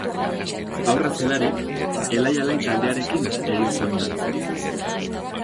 Haurra zelarik Elai-Alai taldearekin egin zuen dantza.